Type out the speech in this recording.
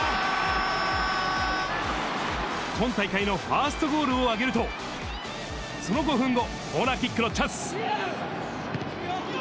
今大会のファーストゴールを挙げると、その５分後、コーナーキックのチャンス。